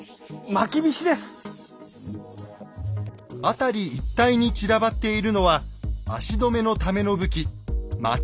辺り一帯に散らばっているのは足止めのための武器ま